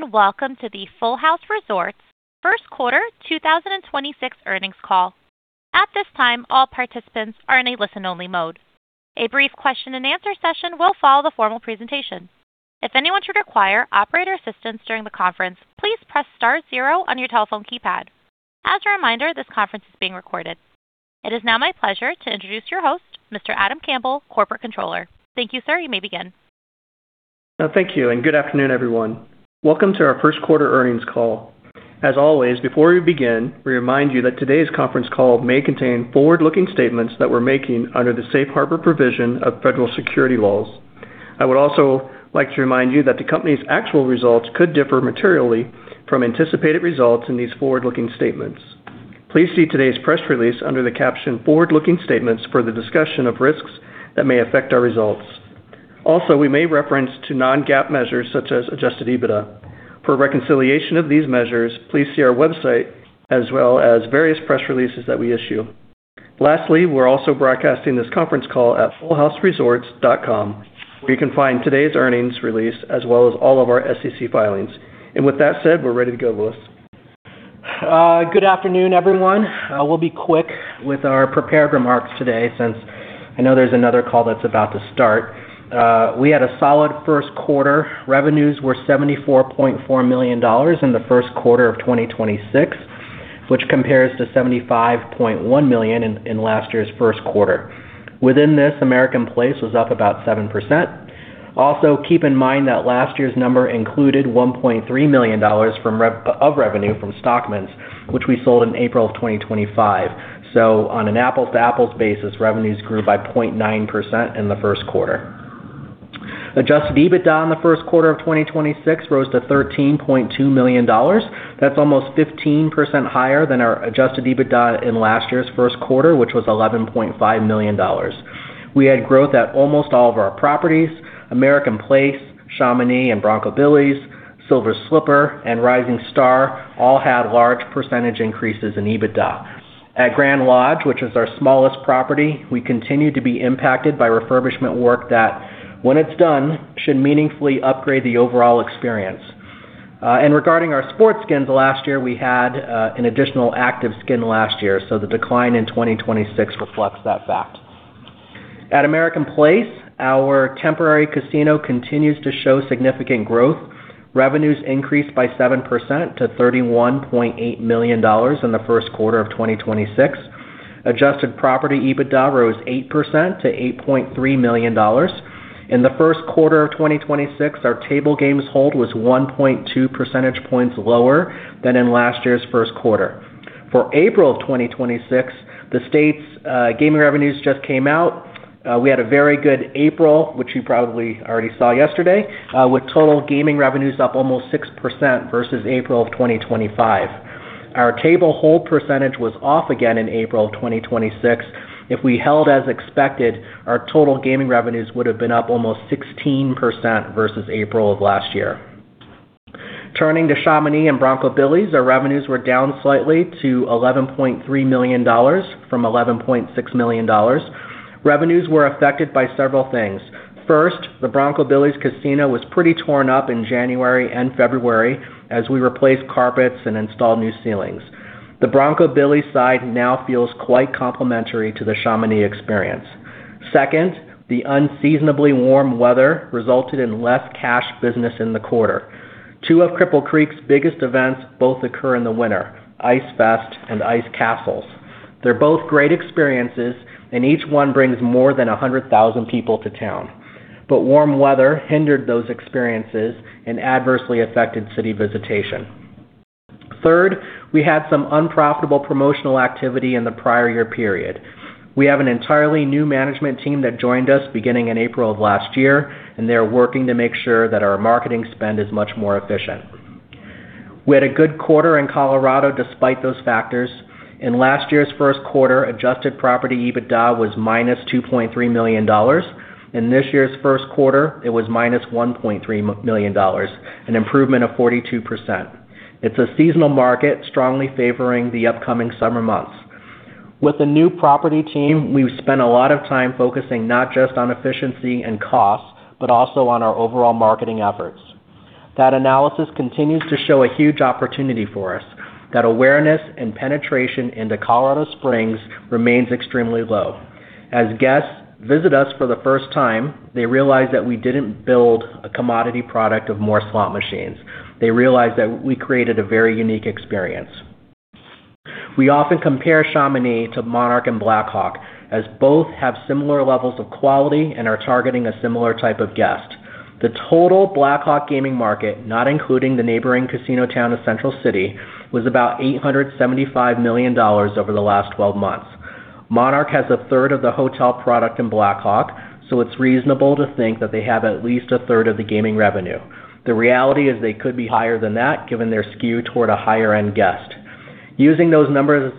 Greetings, and welcome to the Full House Resorts Q1 2026 earnings call. At this time, all participants are in a listen-only mode. A brief question-and-answer session will follow the formal presentation. If anyone should require operator assistance during the conference, please press star zero on your telephone keypad. As a reminder, this conference is being recorded. It is now my pleasure to introduce your host, Mr. Adam Campbell, Corporate Controller. Thank you, sir. You may begin. Thank you, good afternoon, everyone. Welcome to our Q1 earnings call. As always, before we begin, we remind you that today's conference call may contain forward-looking statements that we're making under the safe harbor provision of federal security laws. I would also like to remind you that the company's actual results could differ materially from anticipated results in these forward-looking statements. Please see today's press release under the caption "Forward-looking Statements" for the discussion of risks that may affect our results. Also, we may reference to non-GAAP measures such as adjusted EBITDA. For reconciliation of these measures, please see our website as well as various press releases that we issue. Lastly, we're also broadcasting this conference call at fullhouseresorts.com, where you can find today's earnings release as well as all of our SEC filings. With that said, we're ready to go, Lewis. Good afternoon, everyone. We'll be quick with our prepared remarks today since I know there's another call that's about to start. We had a solid Q1. Revenues were $74.4 million in the Q1 of 2026, which compares to $75.1 million in last year's Q1. Within this, American Place was up about 7%. Also, keep in mind that last year's number included $1.3 million of revenue from Stockman's, which we sold in April of 2025. On an apples-to-apples basis, revenues grew by 0.9% in the Q1. Adjusted EBITDA in the Q1 of 2026 rose to $13.2 million. That's almost 15% higher than our Adjusted EBITDA in last year's Q1, which was $11.5 million. We had growth at almost all of our properties. American Place, Chamonix and Bronco Billy's, Silver Slipper, and Rising Star all had large % increases in EBITDA. At Grand Lodge, which is our smallest property, we continue to be impacted by refurbishment work that, when it's done, should meaningfully upgrade the overall experience. Regarding our sports skins, last year we had an additional active skin last year, so the decline in 2026 reflects that fact. At American Place, our temporary casino continues to show significant growth. Revenues increased by 7% to $31.8 million in the Q1 of 2026. Adjusted property EBITDA rose 8% to $8.3 million. In the Q1 of 2026, our table games hold was 1.2 percentage points lower than in last year's Q1. For April of 2026, the state's gaming revenues just came out. We had a very good April, which you probably already saw yesterday, with total gaming revenues up almost 6% versus April of 2025. Our table hold percentage was off again in April of 2026. If we held as expected, our total gaming revenues would have been up almost 16% versus April of last year. Turning to Chamonix and Bronco Billy's, our revenues were down slightly to $11.3 million from $11.6 million. Revenues were affected by several things. First, the Bronco Billy's casino was pretty torn up in January and February as we replaced carpets and installed new ceilings. The Bronco Billy's side now feels quite complementary to the Chamonix experience. Second, the unseasonably warm weather resulted in less cash business in the quarter. Two of Cripple Creek's biggest events both occur in the winter, Ice Fest and Ice Castles. They're both great experiences, each one brings more than 100,000 people to town. Warm weather hindered those experiences and adversely affected city visitation. Third, we had some unprofitable promotional activity in the prior year period. We have an entirely new management team that joined us beginning in April of last year, they are working to make sure that our marketing spend is much more efficient. We had a good quarter in Colorado despite those factors. In last year's Q1, adjusted property EBITDA was -$2.3 million. In this year's Q1, it was -$1.3 million, an improvement of 42%. It's a seasonal market strongly favoring the upcoming summer months. With the new property team, we've spent a lot of time focusing not just on efficiency and costs, but also on our overall marketing efforts. That analysis continues to show a huge opportunity for us, that awareness and penetration into Colorado Springs remains extremely low. As guests visit us for the first time, they realize that we didn't build a commodity product of more slot machines. They realize that we created a very unique experience. We often compare Chamonix to Monarch and Black Hawk, as both have similar levels of quality and are targeting a similar type of guest. The total Black Hawk gaming market, not including the neighboring casino town of Central City, was about $875 million over the last 12 months. Monarch has 1/3 of the hotel product in Black Hawk, so it's reasonable to think that they have at least 1/3 of the gaming revenue. The reality is they could be higher than that, given their skew toward a higher-end guest. Using those numbers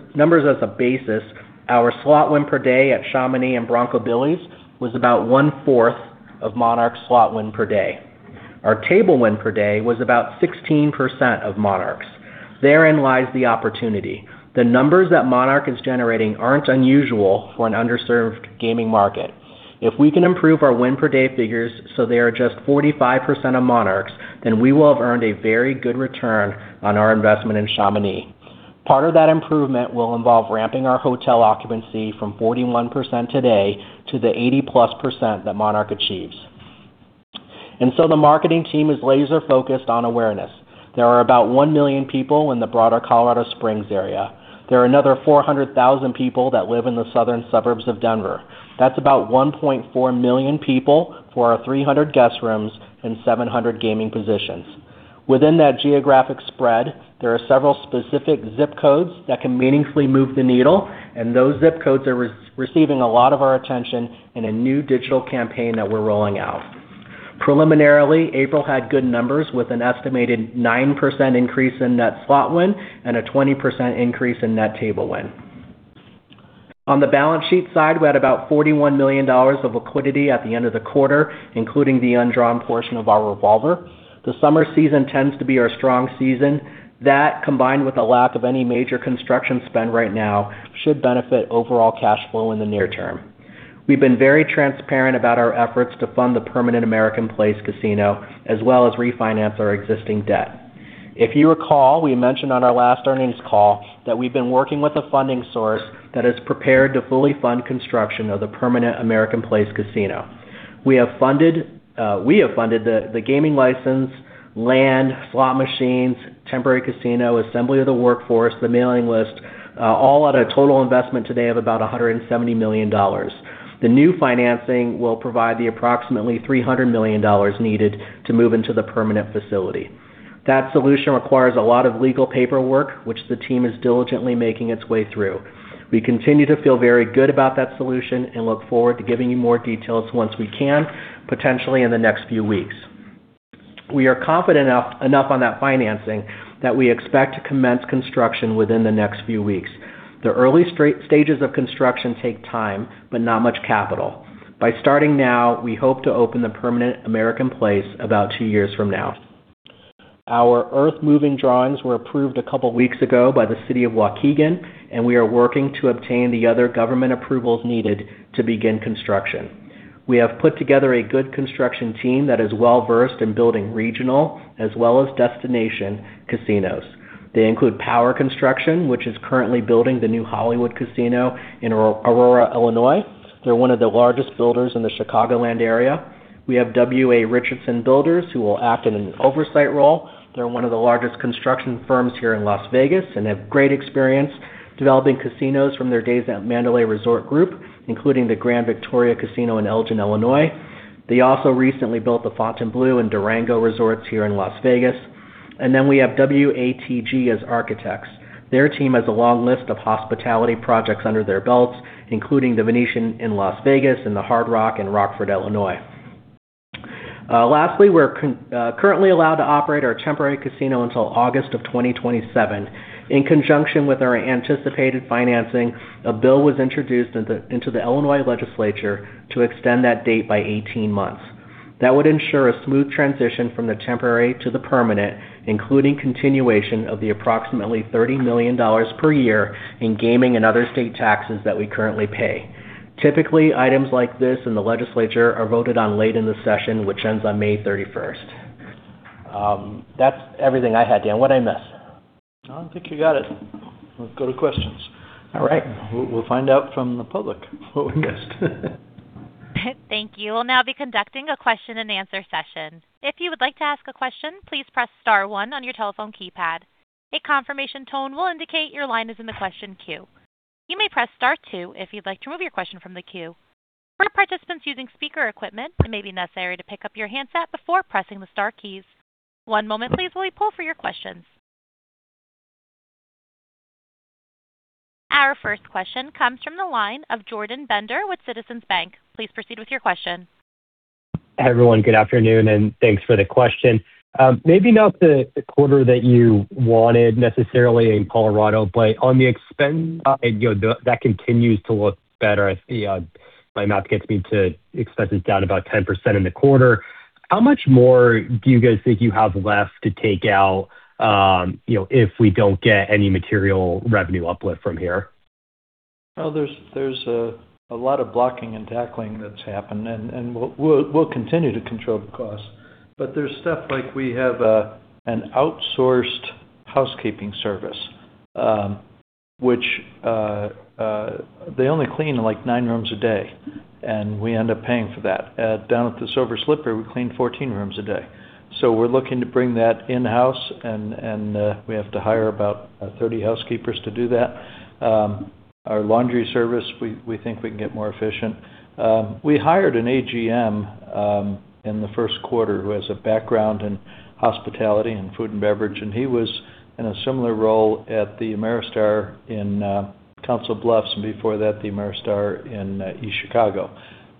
as a basis, our slot win per day at Chamonix and Bronco Billy's was about 1/4 of Monarch's slot win per day. Our table win per day was about 16% of Monarch's. Therein lies the opportunity. The numbers that Monarch is generating aren't unusual for an underserved gaming market. If we can improve our win per day figures so they are just 45% of Monarch's, then we will have earned a very good return on our investment in Chamonix. Part of that improvement will involve ramping our hotel occupancy from 41% today to the 80%+ that Monarch achieves. The marketing team is laser-focused on awareness. There are about 1 million people in the broader Colorado Springs area. There are another 400,000 people that live in the southern suburbs of Denver. That's about 1.4 million people for our 300 guest rooms and 700 gaming positions. Within that geographic spread, there are several specific zip codes that can meaningfully move the needle, and those zip codes are re-receiving a lot of our attention in a new digital campaign that we're rolling out. Preliminarily, April had good numbers with an estimated 9% increase in net slot win and a 20% increase in net table win. On the balance sheet side, we had about $41 million of liquidity at the end of the quarter, including the undrawn portion of our revolver. The summer season tends to be our strong season. That, combined with a lack of any major construction spend right now, should benefit overall cash flow in the near term. We've been very transparent about our efforts to fund the permanent American Place Casino, as well as refinance our existing debt. If you recall, we mentioned on our last earnings call that we've been working with a funding source that is prepared to fully fund construction of the permanent American Place Casino. We have funded the gaming license, land, slot machines, temporary casino, assembly of the workforce, the mailing list, all at a total investment today of about $170 million. The new financing will provide the approximately $300 million needed to move into the permanent facility. That solution requires a lot of legal paperwork, which the team is diligently making its way through. We continue to feel very good about that solution and look forward to giving you more details once we can, potentially in the next few weeks. We are confident enough on that financing that we expect to commence construction within the next few weeks. The early stages of construction take time, but not much capital. By starting now, we hope to open the permanent American Place about two years from now. Our earth-moving drawings were approved a couple weeks ago by the city of Waukegan, and we are working to obtain the other government approvals needed to begin construction. We have put together a good construction team that is well-versed in building regional as well as destination casinos. They include Power Construction, which is currently building the new Hollywood Casino in Aurora, Illinois. They're one of the largest builders in the Chicagoland area. We have W.A. Richardson Builders, who will act in an oversight role. They're one of the largest construction firms here in Las Vegas and have great experience developing casinos from their days at Mandalay Resort Group, including the Grand Victoria Casino in Elgin, Illinois. They also recently built the Fontainebleau and Durango Resorts here in Las Vegas. Then we have WATG as architects. Their team has a long list of hospitality projects under their belts, including The Venetian in Las Vegas and the Hard Rock in Rockford, Illinois. Lastly, we're currently allowed to operate our temporary casino until August of 2027. In conjunction with our anticipated financing, a bill was introduced into the Illinois legislature to extend that date by 18 months. That would ensure a smooth transition from the temporary to the permanent, including continuation of the approximately $30 million per year in gaming and other state taxes that we currently pay. Typically, items like this in the legislature are voted on late in the session, which ends on 31 May. That's everything I had, Dan. What'd I miss? No, I think you got it. Let's go to questions. All right. We'll find out from the public what we missed. Thank you. We'll now be conducting a question-and-answer session. If you would like to ask a question, please press star one on your telephone keypad. A confirmation tone will indicate your line is in the question queue. You may press star two if you'd like to remove your question from the queue. For participants using speaker equipment, it may be necessary to pick up your handset before pressing the star keys. One moment please while we poll for your questions. Our first question comes from the line of Jordan Bender with Citizens Bank. Please proceed with your question. Hi, everyone. Good afternoon. Thanks for the question. Maybe not the quarter that you wanted necessarily in Colorado, on the expense side, you know, that continues to look better. I see, my math gets me to expenses down about 10% in the quarter. How much more do you guys think you have left to take out, you know, if we don't get any material revenue uplift from here? There's a lot of blocking and tackling that's happened, and we'll continue to control the costs. There's stuff like we have an outsourced housekeeping service, which they only clean, like, nine rooms a day, and we end up paying for that. Down at the Silver Slipper, we clean 14 rooms a day. We're looking to bring that in-house, and we have to hire about 30 housekeepers to do that. Our laundry service, we think we can get more efficient. We hired an AGM in the Q1 who has a background in hospitality and food and beverage, and he was in a similar role at the Ameristar in Council Bluffs, and before that, the Ameristar in East Chicago.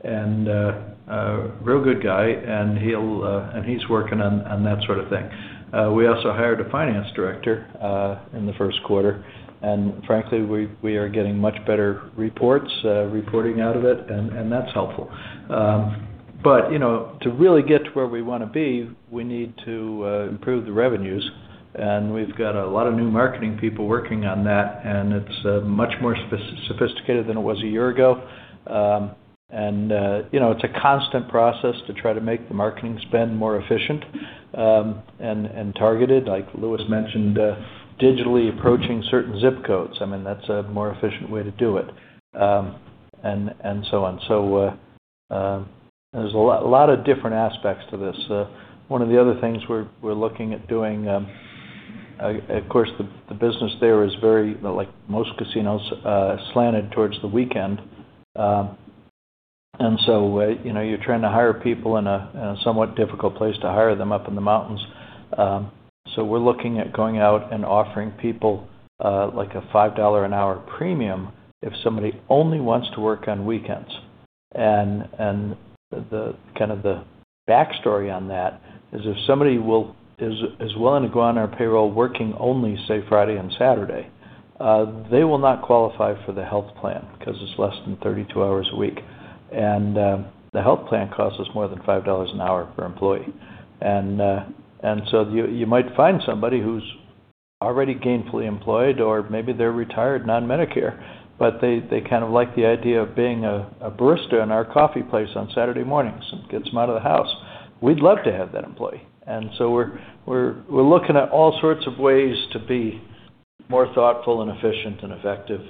A real good guy, and he'll and he's working on that sort of thing. We also hired a finance director in the Q1, and frankly, we are getting much better reports reporting out of it, and that's helpful. You know, to really get to where we wanna be, we need to improve the revenues. We've got a lot of new marketing people working on that, and it's much more sophisticated than it was a year ago. You know, it's a constant process to try to make the marketing spend more efficient, and targeted. Like Lewis mentioned, digitally approaching certain zip codes. I mean, that's a more efficient way to do it. And so on. There's a lot of different aspects to this. One of the other things we're looking at doing, of course, the business there is very, like most casinos, slanted towards the weekend. You know, you're trying to hire people in a somewhat difficult place to hire them up in the mountains. We're looking at going out and offering people like a $5 an hour premium if somebody only wants to work on weekends. The kind of the backstory on that is if somebody is willing to go on our payroll working only, say, Friday and Saturday, they will not qualify for the health plan because it's less than 32 hours a week. The health plan costs us more than $5 an hour per employee. You might find somebody who's already gainfully employed, or maybe they're retired, not on Medicare, but they kind of like the idea of being a barista in our coffee place on Saturday mornings. It gets them out of the house. We'd love to have that employee. We're looking at all sorts of ways to be more thoughtful and efficient and effective.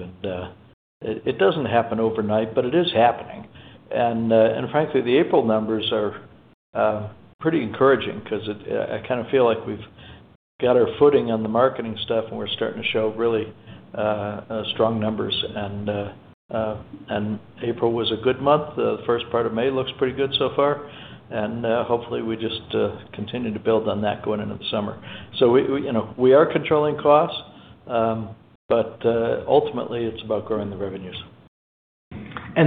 It doesn't happen overnight, but it is happening. Frankly, the April numbers are pretty encouraging 'cause I kind of feel like we've got our footing on the marketing stuff, and we're starting to show really strong numbers. April was a good month. The first part of May looks pretty good so far. Hopefully we just continue to build on that going into the summer. We, you know, we are controlling costs, but ultimately it's about growing the revenues.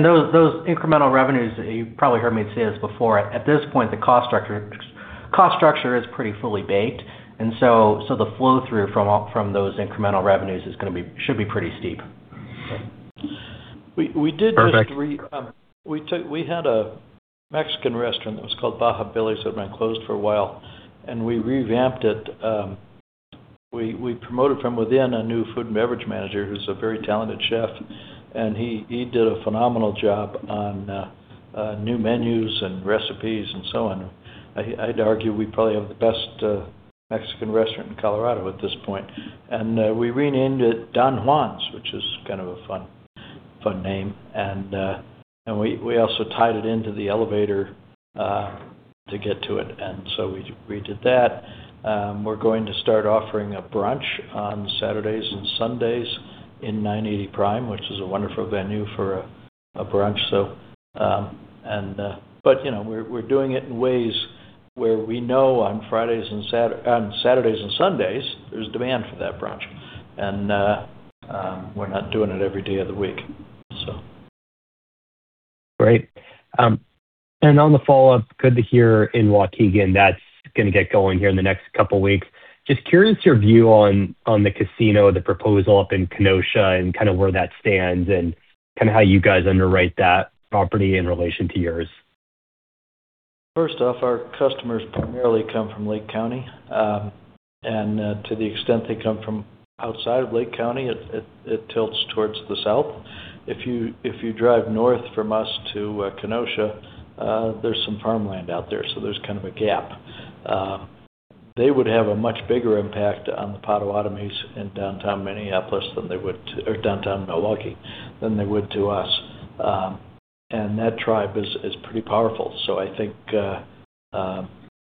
Those incremental revenues, you probably heard me say this before, at this point, the cost structure is pretty fully baked, so the flow through from those incremental revenues should be pretty steep. Perfect. We had a Mexican restaurant that was called Baja Billy's that had been closed for a while, and we revamped it. We promoted from within a new food and beverage manager, who's a very talented chef, and he did a phenomenal job on new menus and recipes and so on. I'd argue we probably have the best Mexican restaurant in Colorado at this point. We renamed it Don Juan's, which is kind of a fun name. We also tied it into the elevator to get to it. We did that. We're going to start offering a brunch on Saturdays and Sundays in 980 Prime, which is a wonderful venue for a brunch. You know, we're doing it in ways where we know on Fridays and on Saturdays and Sundays, there's demand for that brunch. We're not doing it every day of the week. Great. On the follow-up, good to hear in Waukegan, that's gonna get going here in the next couple weeks. Just curious your view on the casino, the proposal up in Kenosha and kind of where that stands and kind of how you guys underwrite that property in relation to yours. First off, our customers primarily come from Lake County. To the extent they come from outside of Lake County, it tilts towards the south. If you drive north from us to Kenosha, there's some farmland out there, so there's kind of a gap. They would have a much bigger impact on the Potawatomi in downtown Milwaukee than they would to us. That tribe is pretty powerful. I think,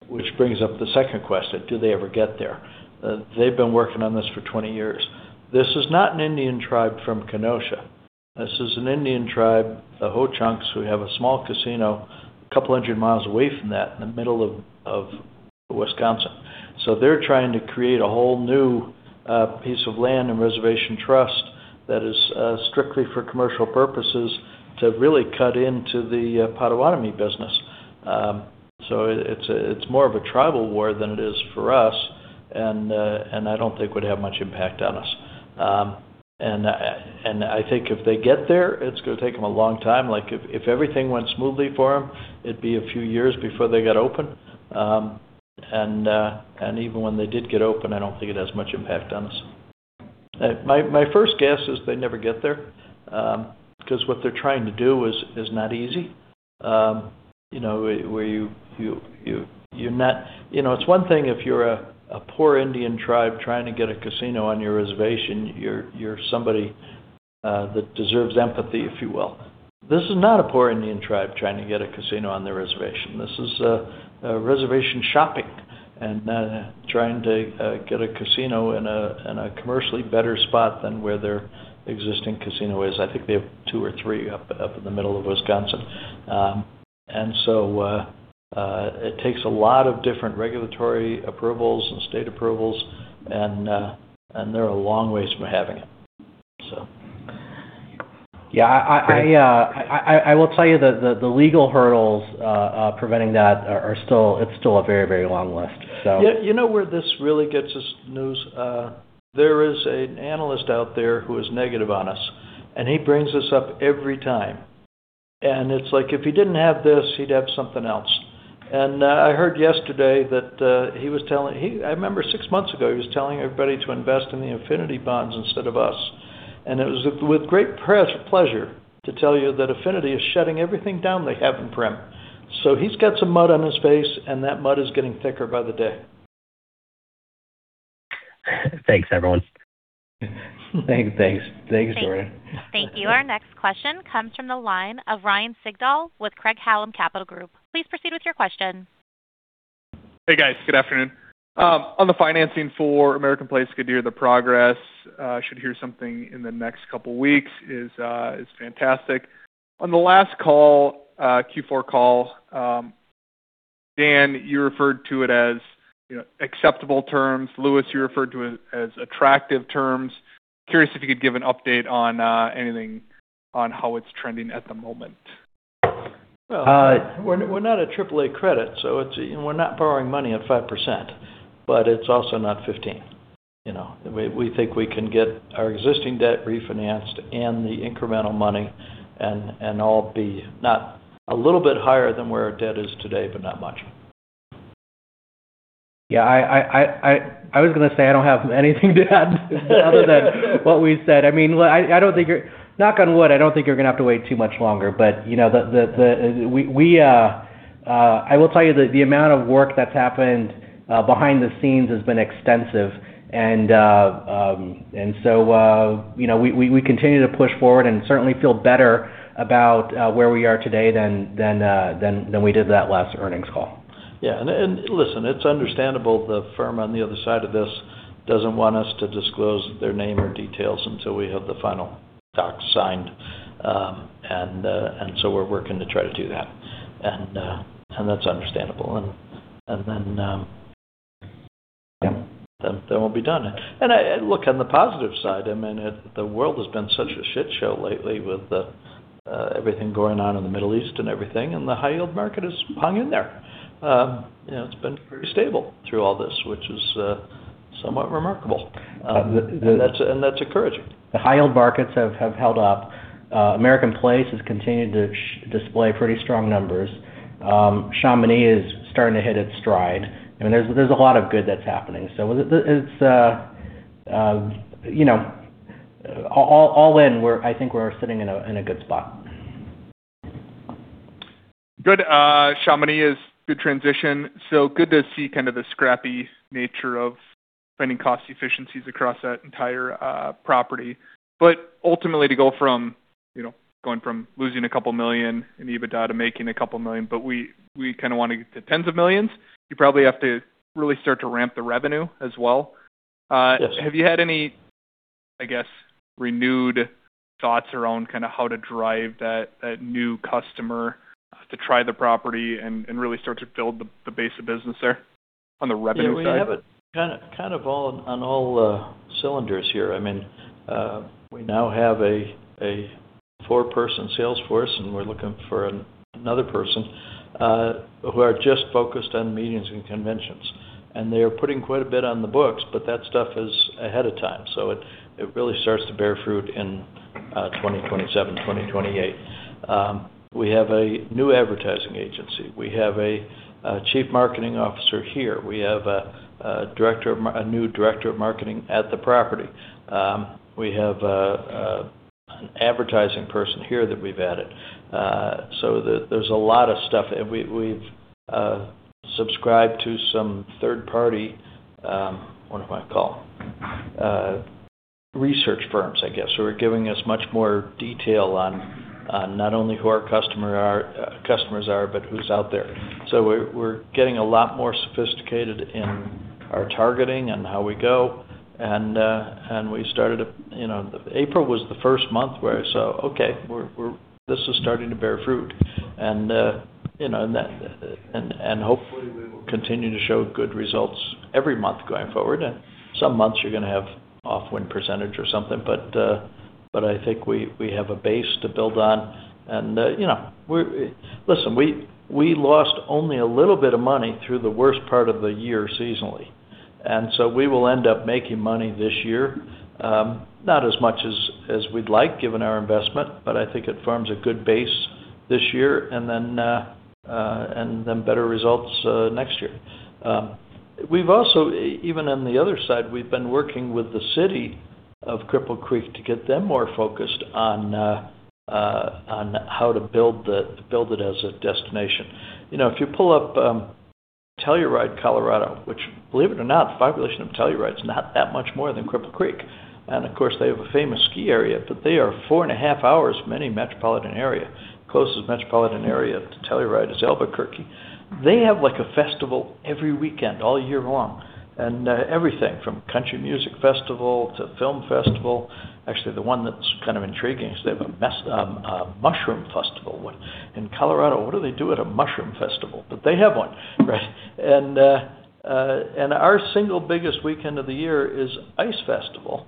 which brings up the second question, do they ever get there? They've been working on this for 20 years. This is not an Indian tribe from Kenosha. This is an Indian tribe, the Ho-Chunk, who have a small casino a couple hundred miles away from that in the middle of Wisconsin. They're trying to create a whole new piece of land and reservation trust that is strictly for commercial purposes to really cut into the Potawatomi business. It's more of a tribal war than it is for us and I don't think would have much impact on us. I think if they get there, it's gonna take them a long time. Like if everything went smoothly for them, it'd be a few years before they got open. Even when they did get open, I don't think it has much impact on us. My first guess is they never get there, 'cause what they're trying to do is not easy. You know, where you know, it's one thing if you're a poor Indian tribe trying to get a casino on your reservation. You're somebody that deserves empathy, if you will. This is not a poor Indian tribe trying to get a casino on their reservation. This is a reservation shopping and trying to get a casino in a commercially better spot than where their existing casino is. I think they have two or three up in the middle of Wisconsin. It takes a lot of different regulatory approvals and state approvals, and they're a long way from having it. Yeah. I will tell you the legal hurdles preventing that it's still a very, very long list. You, you know where this really gets us, Lewis? There is an analyst out there who is negative on us, and he brings us up every time. It's like, if he didn't have this, he'd have something else. I heard yesterday that he was telling everybody to invest in the Affinity bonds instead of us. It was with great pleasure to tell you that Affinity is shutting everything down they have in Primm. He's got some mud on his face, and that mud is getting thicker by the day. Thanks, everyone. Thanks. Thanks, Jordan. Thank you. Our next question comes from the line of Ryan Sigdahl with Craig-Hallum Capital Group. Please proceed with your question. Hey, guys. Good afternoon. On the financing for American Place, good to hear the progress. Should hear something in the next couple weeks is fantastic. On the last call, Q4 call, Dan, you referred to it as, you know, acceptable terms. Lewis, you referred to it as attractive terms. Curious if you could give an update on anything on how it's trending at the moment. Well, we're not a triple A credit, so it's, you know, we're not borrowing money at 5%, but it's also not 15. You know, we think we can get our existing debt refinanced and the incremental money and all be not a little bit higher than where our debt is today, but not much. Yeah, I was gonna say I don't have anything to add other than what we said. I mean, look, I don't think you're Knock on wood, I don't think you're gonna have to wait too much longer. You know, I will tell you that the amount of work that's happened behind the scenes has been extensive. You know, we continue to push forward and certainly feel better about where we are today than we did that last earnings call. Yeah. Listen, it's understandable the firm on the other side of this doesn't want us to disclose their name or details until we have the final docs signed. So we're working to try to do that. That's understandable. We'll be done. I, look, on the positive side, I mean, the world has been such a shit show lately with everything going on in the Middle East and everything, and the high yield market has hung in there. You know, it's been pretty stable through all this, which is somewhat remarkable. That's encouraging. The high yield markets have held up. American Place has continued to display pretty strong numbers. Chamonix is starting to hit its stride. I mean, there's a lot of good that's happening. You know, all in, I think we're sitting in a good spot. Good. Chamonix is good transition. Good to see kind of the scrappy nature of finding cost efficiencies across that entire property. Ultimately to go from, you know, going from losing $2 million in EBITDA to making $2 million, but we kinda wanna get to tens of millions, you probably have to really start to ramp the revenue as well. Yes. Have you had any, I guess, renewed thoughts around kinda how to drive that new customer to try the property and really start to build the base of business there on the revenue side? Yeah, we have it on all cylinders here. I mean, we now have a four-person sales force, we're looking for another person, who are just focused on meetings and conventions. They are putting quite a bit on the books, but that stuff is ahead of time, so it really starts to bear fruit in 2027, 2028. We have a new advertising agency. We have a Chief Marketing Officer here. We have a new Director of Marketing at the property. We have an advertising person here that we've added. There's a lot of stuff. We've subscribed to some third party, what do I call them? Research firms, I guess, who are giving us much more detail on not only who our customer are, customers are, but who's out there. We're getting a lot more sophisticated in our targeting and how we go. We started a You know, April was the first month where I saw, okay, this is starting to bear fruit. You know, hopefully, we will continue to show good results every month going forward. Some months you're gonna have off win percentage or something, but I think we have a base to build on. You know, Listen, we lost only a little bit of money through the worst part of the year seasonally. We will end up making money this year. Not as much as we'd like, given our investment, but I think it forms a good base this year, and then better results next year. We've also, even on the other side, we've been working with the City of Cripple Creek to get them more focused on how to build it as a destination. You know, if you pull up Telluride, Colorado, which believe it or not, the population of Telluride is not that much more than Cripple Creek. Of course, they have a famous ski area, but they are four and a half hours from any metropolitan area. Closest metropolitan area to Telluride is Albuquerque. They have like a festival every weekend, all year long, everything from country music festival to film festival. Actually, the one that's kind of intriguing is they have a mushroom festival. In Colorado, what do they do at a mushroom festival? They have one, right? Our single biggest weekend of the year is Ice Festival,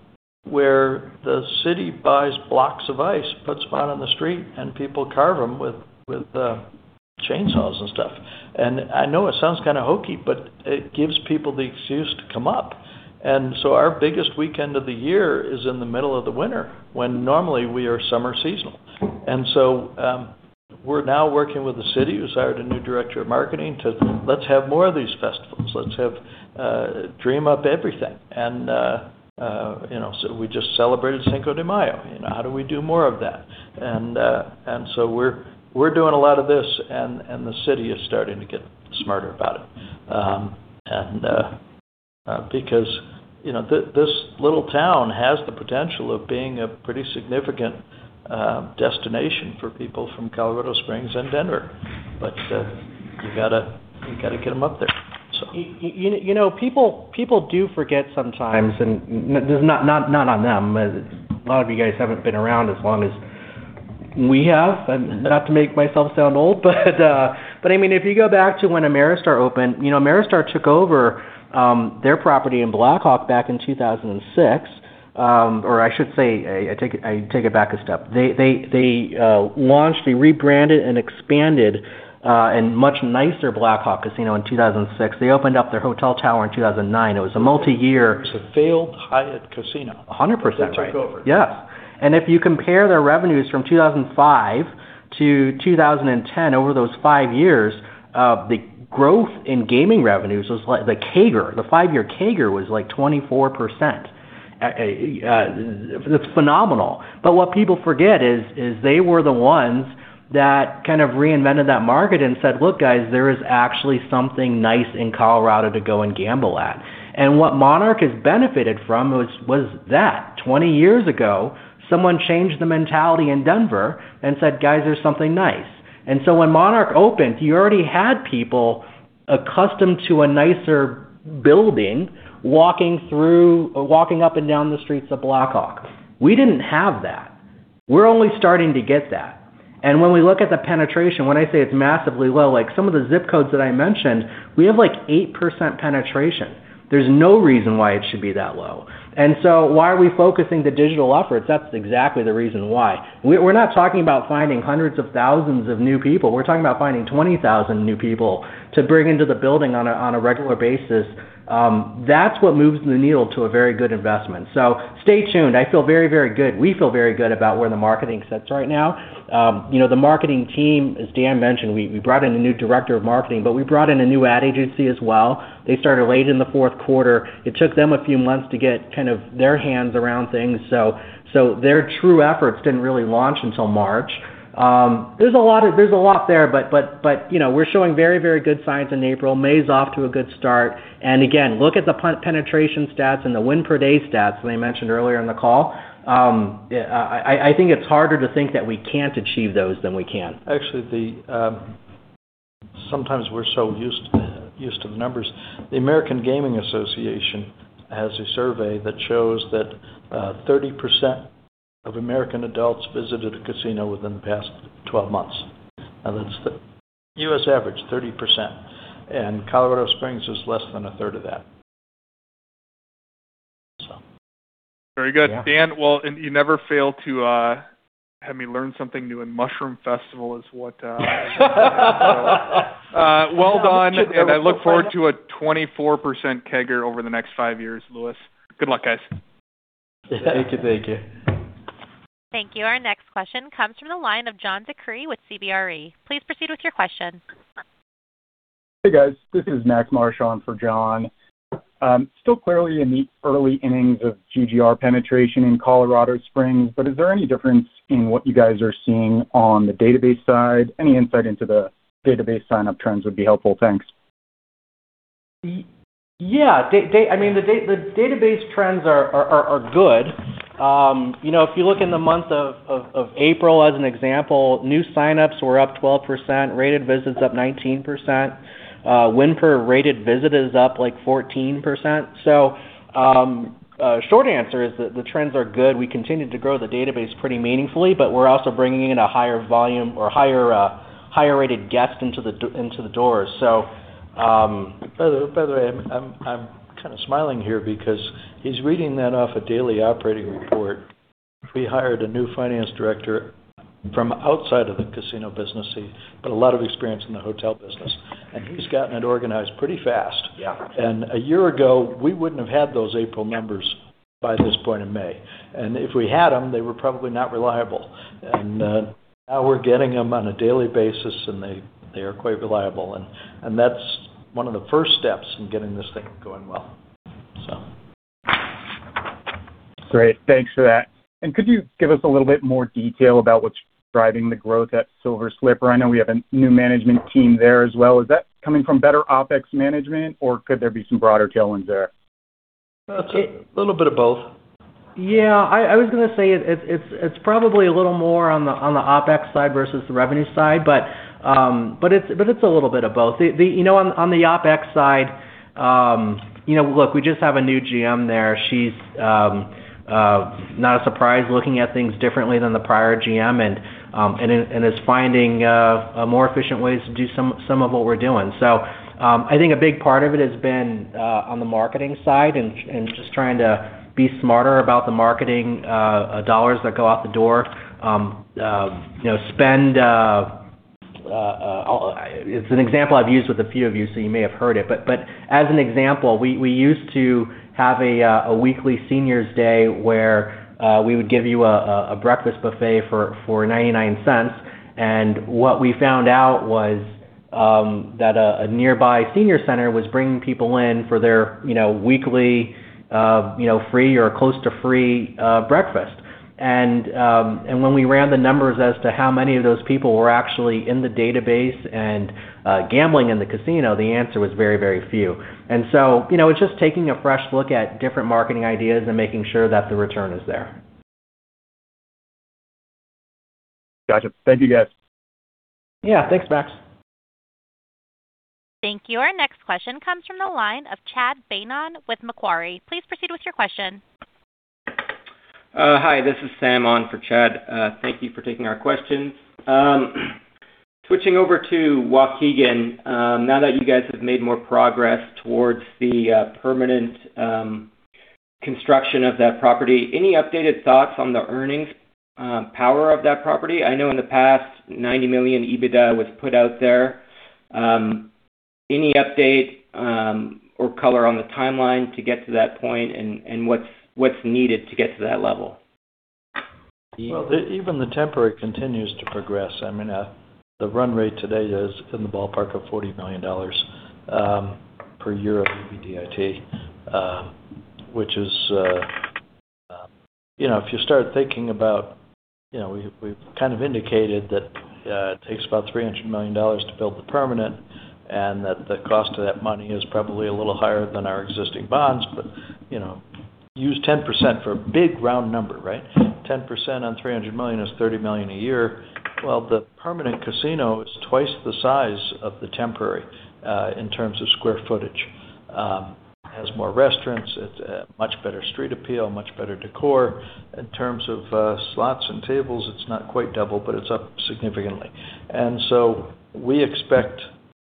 where the city buys blocks of ice, puts them out on the street, and people carve them with chainsaws and stuff. I know it sounds kind of hokey, but it gives people the excuse to come up. Our biggest weekend of the year is in the middle of the winter when normally we are summer seasonal. We're now working with the city who's hired a new director of marketing to let's have more of these festivals. Let's have dream up everything. You know, we just celebrated Cinco de Mayo. You know, how do we do more of that? We're doing a lot of this, and the city is starting to get smarter about it. Because, you know, this little town has the potential of being a pretty significant destination for people from Colorado Springs and Denver. You gotta get them up there. You know, people do forget sometimes, and not on them. A lot of you guys haven't been around as long as we have. Not to make myself sound old, I mean, if you go back to when Ameristar opened, you know, Ameristar took over their property in Black Hawk back in 2006. I should say, I take it back a step. They launched, they rebranded and expanded a much nicer Black Hawk Casino in 2006. They opened up their hotel tower in 2009. It was a multi-year- It was a failed Hyatt Casino. 100% right. That they took over. Yes. If you compare their revenues from 2005 to 2010, over those five years, the growth in gaming revenues was like the CAGR. The five-year CAGR was, like, 24%. It's phenomenal. What people forget is they were the ones that kind of reinvented that market and said, "Look, guys, there is actually something nice in Colorado to go and gamble at." What Monarch has benefited from was that. 20 years ago, someone changed the mentality in Denver and said, "Guys, there's something nice." When Monarch opened, you already had people accustomed to a nicer building walking through or walking up and down the streets of Black Hawk. We didn't have that. We're only starting to get that. When we look at the penetration, when I say it's massively low, like some of the zip codes that I mentioned, we have, like, 8% penetration. There's no reason why it should be that low. Why are we focusing the digital efforts? That's exactly the reason why. We're not talking about finding hundreds of thousands of new people. We're talking about finding 20,000 new people to bring into the building on a regular basis. That's what moves the needle to a very good investment. Stay tuned. I feel very good. We feel very good about where the marketing sits right now. You know, the marketing team, as Dan mentioned, we brought in a new director of marketing, but we brought in a new ad agency as well. They started late in the Q4. It took them a few months to get kind of their hands around things. Their true efforts didn't really launch until March. There's a lot there, you know, we're showing very, very good signs in April. May is off to a good start. Again, look at the penetration stats and the win per day stats that I mentioned earlier in the call. Yeah, I think it's harder to think that we can't achieve those than we can. Actually, the sometimes we're so used to the numbers. The American Gaming Association has a survey that shows that 30% of American adults visited a casino within the past 12 months. Now, that's the U.S. average, 30%. Colorado Springs is less than a third of that. Very good. Yeah. Daniel, well, you never fail to have me learn something new, Mushroom Festival is what well done. I look forward to a 24% CAGR over the next five years, Lewis. Good luck, guys. Thank you. Thank you. Thank you. Our next question comes from the line of John DeCree with CBRE. Please proceed with your question. Hey, guys. This is Max Marsh for John. Still clearly in the early innings of GGR penetration in Colorado Springs, but is there any difference in what you guys are seeing on the database side? Any insight into the database sign-up trends would be helpful. Thanks. Yeah. I mean, the database trends are good. You know, if you look in the month of April as an example, new sign-ups were up 12%, rated visits up 19%. Win per rated visit is up, like, 14%. Short answer is the trends are good. We continue to grow the database pretty meaningfully, but we're also bringing in a higher volume or higher rated guest into the door. By the way, I'm kind of smiling here because he's reading that off a daily operating report. We hired a new finance director from outside of the casino business. He has a lot of experience in the hotel business, and he's gotten it organized pretty fast. Yeah. A year ago, we wouldn't have had those April numbers by this point in May. If we had them, they were probably not reliable. Now we're getting them on a daily basis, and they are quite reliable. That's one of the first steps in getting this thing going well, so. Great. Thanks for that. Could you give us a little bit more detail about what's driving the growth at Silver Slipper? I know we have a new management team there as well. Is that coming from better OpEx management, or could there be some broader tailwinds there? It's a little bit of both. Yeah. I was going to say it's probably a little more on the OpEx side versus the revenue side. It's a little bit of both. You know, on the OpEx side, you know, look, we just have a new GM there. She's not a surprise, looking at things differently than the prior GM and is finding more efficient ways to do some of what we're doing. I think a big part of it has been on the marketing side and just trying to be smarter about the marketing dollars that go out the door. You know, it's an example I've used with a few of you, so you may have heard it. As an example, we used to have a weekly seniors day where we would give you a breakfast buffet for $0.99. What we found out was, that a nearby senior center was bringing people in for their, you know, weekly, you know, free or close to free breakfast. When we ran the numbers as to how many of those people were actually in the database and gambling in the casino, the answer was very, very few. You know, it's just taking a fresh look at different marketing ideas and making sure that the return is there. Gotcha. Thank you, guys. Yeah. Thanks, Max. Thank you. Our next question comes from the line of Chad Beynon with Macquarie. Please proceed with your question. Hi, this is Sam on for Chad. Thank you for taking our questions. Switching over to Waukegan, now that you guys have made more progress towards the permanent construction of that property, any updated thoughts on the earnings power of that property? I know in the past, $90 million EBITDA was put out there. Any update or color on the timeline to get to that point and what's needed to get to that level? Even the temporary continues to progress. I mean, the run rate to date is in the ballpark of $40 million per year of EBIT, which is You know, if you start thinking about, you know, we've kind of indicated that it takes about $300 million to build the permanent, and that the cost of that money is probably a little higher than our existing bonds. You know, use 10% for a big round number, right? 10% on $300 million is $30 million a year. The permanent casino is twice the size of the temporary in terms of square footage. Has more restaurants. It's much better street appeal, much better decor. In terms of slots and tables, it's not quite double, but it's up significantly. We expect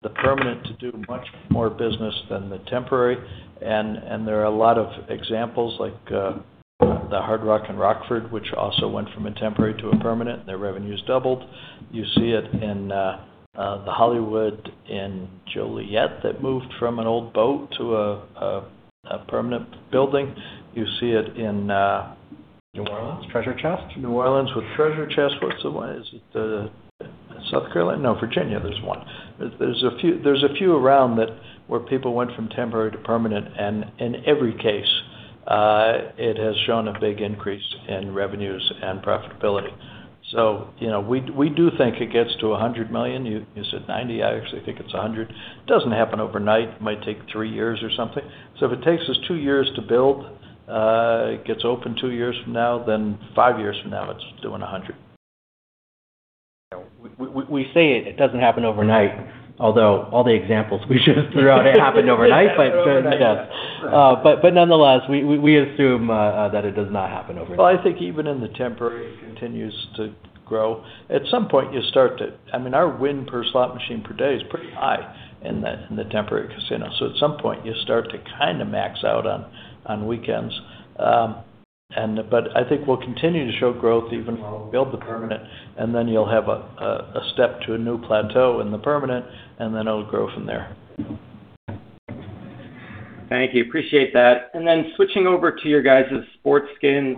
the permanent to do much more business than the temporary. There are a lot of examples like the Hard Rock in Rockford, which also went from a temporary to a permanent, their revenues doubled. You see it in the Hollywood in Joliet that moved from an old boat to a permanent building. New Orleans, Treasure Chest? New Orleans with Treasure Chest. What's the one? Is it the South Carolina? No, Virginia, there's one. There's a few around that where people went from temporary to permanent. In every case, it has shown a big increase in revenues and profitability. You know, we do think it gets to $100 million. You said $90. I actually think it's $100. It doesn't happen overnight. It might take three years or something. If it takes us two years to build, it gets open two years from now, five years from now, it's doing $100. We say it doesn't happen overnight, although all the examples we just threw out, it happened overnight by turning the test. Nonetheless, we assume that it does not happen overnight. Well, I think even in the temporary, it continues to grow. At some point, I mean, our win per slot machine per day is pretty high in the temporary casino. At some point, you start to kinda max out on weekends. I think we'll continue to show growth even while we build the permanent, you'll have a step to a new plateau in the permanent, it'll grow from there. Thank you. Appreciate that. Switching over to your guys' sports skins,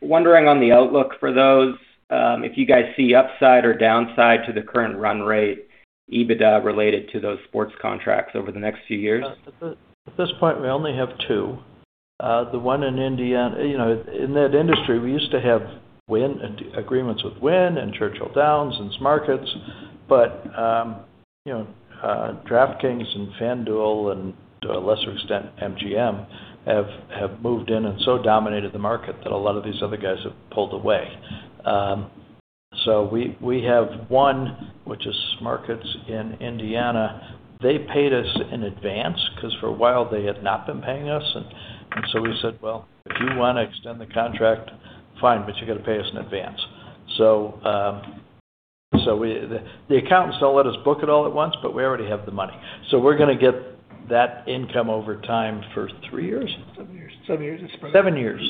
wondering on the outlook for those, if you guys see upside or downside to the current run rate EBITDA related to those sports contracts over the next few years. At this point, we only have two. The one in Indiana. You know, in that industry, we used to have agreements with Wynn and Churchill Downs and Smarkets. You know, DraftKings and FanDuel and, to a lesser extent, MGM have moved in and so dominated the market that a lot of these other guys have pulled away. We have one, which is Smarkets in Indiana. They paid us in advance 'cause for a while they had not been paying us. We said, "Well, if you wanna extend the contract, fine, but you gotta pay us in advance." The accountants don't let us book it all at once, but we already have the money. We're gonna get that income over time for three years. Seven years. Seven years it's spread. Seven years.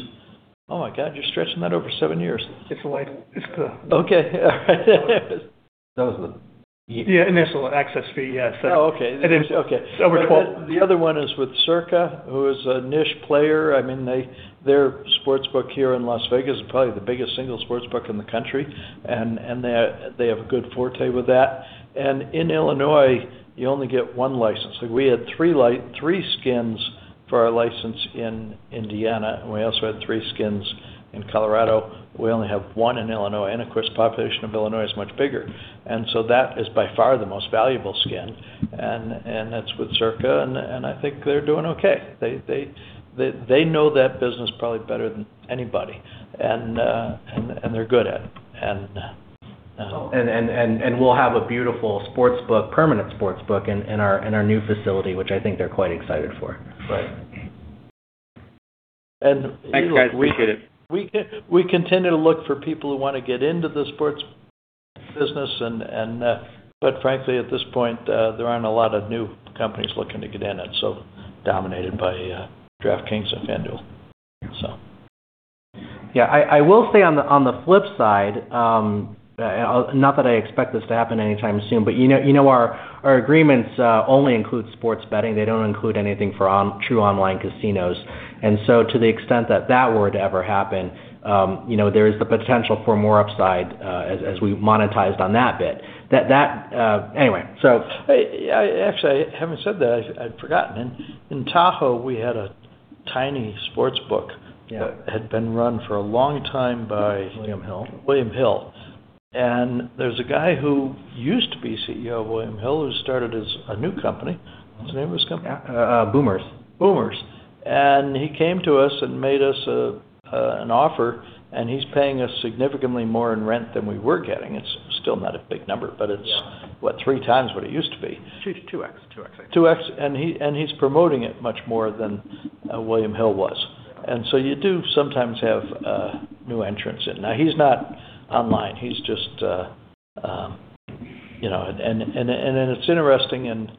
Oh my God, you're stretching that over seven years. It's like- Okay. All right. Yeah, initial access fee. Yeah. Oh, okay. It is. Okay. Over 12. The other one is with Circa, who is a niche player. Their sportsbook here in Las Vegas is probably the biggest single sportsbook in the country. They have a good forte with that. In Illinois, you only get one license. We had three skins for our license in Indiana, and we also had three skins in Colorado. We only have one in Illinois. Of course, population of Illinois is much bigger. That is by far the most valuable skin. That's with Circa, I think they're doing okay. They know that business probably better than anybody. They're good at it. We'll have a beautiful sportsbook, permanent sportsbook in our new facility, which I think they're quite excited for. Right. Thanks, guys. Appreciate it. We continue to look for people who wanna get into the sports business and, frankly, at this point, there aren't a lot of new companies looking to get in. It's so dominated by DraftKings and FanDuel. Yeah, I will say on the, on the flip side, not that I expect this to happen anytime soon, but you know, you know, our agreements only include sports betting. They don't include anything for true online casinos. To the extent that that were to ever happen, you know, there is the potential for more upside, as we've monetized on that bit. Actually, having said that, I'd forgotten. In Tahoe, we had a tiny sports book. Yeah that had been run for a long time by. William Hill. William Hill. There's a guy who used to be CEO of William Hill, who started a new company. What's the name of his company? Boomer's. Boomer's. He came to us and made us an offer, and he's paying us significantly more in rent than we were getting. It's still not a big number. Yeah what? three times what it used to be. 2x. 2x. 2x. He's promoting it much more than William Hill was. You do sometimes have new entrants in. Now, he's not online. He's just, you know, it's interesting, and,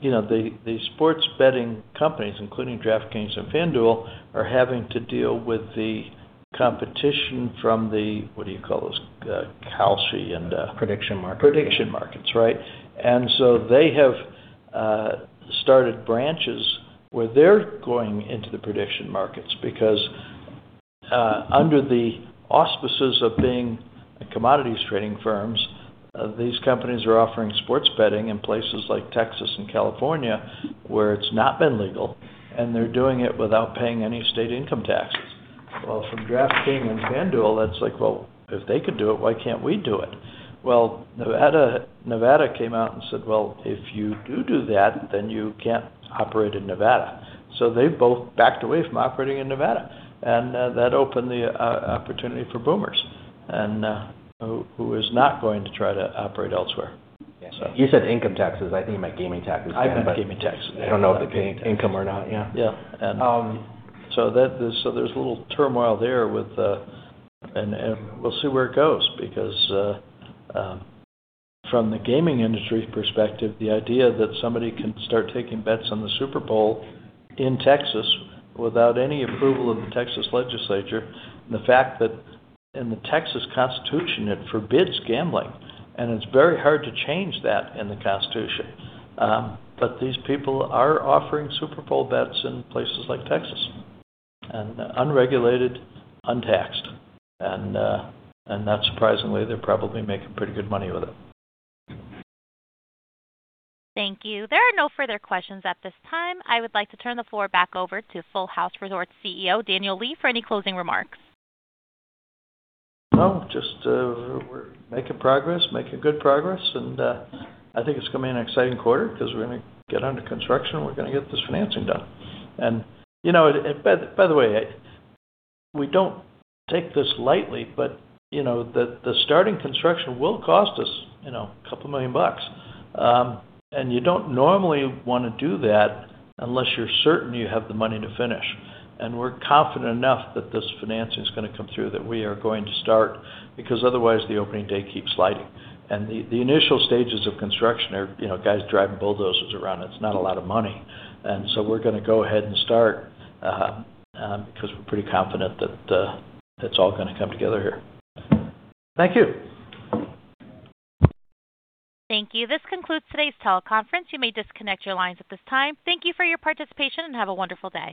you know, the sports betting companies, including DraftKings and FanDuel, are having to deal with the competition from what do you call those? Kalshi. Prediction markets. prediction markets, right. They have started branches where they're going into the prediction markets because under the auspices of being commodities trading firms, these companies are offering sports betting in places like Texas and California, where it's not been legal, and they're doing it without paying any state income taxes. Well, from DraftKings and FanDuel, that's like, "Well, if they could do it, why can't we do it?" Well, Nevada came out and said, "Well, if you do that, then you can't operate in Nevada." They both backed away from operating in Nevada, and that opened the opportunity for Boomer's and who is not going to try to operate elsewhere. Yeah. So. You said income taxes. I think you meant gaming taxes then. I meant gaming taxes. Yeah. I don't know if they pay income or not. Yeah. Yeah. There's a little turmoil there with. We'll see where it goes because from the gaming industry perspective, the idea that somebody can start taking bets on the Super Bowl in Texas without any approval of the Texas legislature, and the fact that in the Texas Constitution, it forbids gambling, and it's very hard to change that in the Constitution. These people are offering Super Bowl bets in places like Texas and unregulated, untaxed. Not surprisingly, they're probably making pretty good money with it. Thank you. There are no further questions at this time. I would like to turn the floor back over to Full House Resorts CEO, Daniel Lee, for any closing remarks. No, just, we are making progress, making good progress. I think it is going to be an exciting quarter because we are going to get under construction, we are going to get this financing done. You know, by the way, we do not take this lightly, you know, the starting construction will cost us, you know, a couple million dollars. You do not normally want to do that unless you are certain you have the money to finish. We are confident enough that this financing is going to come through, that we are going to start, because otherwise, the opening day keeps sliding. The initial stages of construction are, you know, guys driving bulldozers around. It is not a lot of money. We are going to go ahead and start because we are pretty confident that it is all going to come together here. Thank you. Thank you. This concludes today's teleconference. You may disconnect your lines at this time. Thank you for your participation, and have a wonderful day.